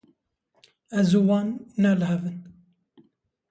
Ez û wan ne li hev in.